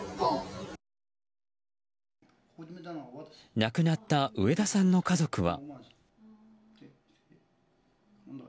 亡くなった植田さんの家族は。